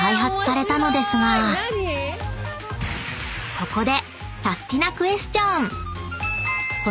［ここで］